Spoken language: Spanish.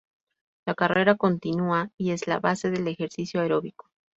La carrera continua es la base del ejercicio aeróbico.